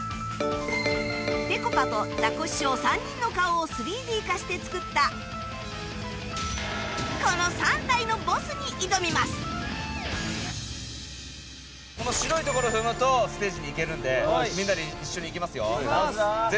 ぺこぱとザコシショウ３人の顔を ３Ｄ 化して作ったこのこの白いところ踏むとステージに行けるんでみんなで一緒に行きますよ。